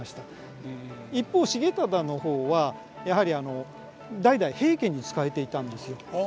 一方重忠の方はやはり代々平家に仕えていたんですよ。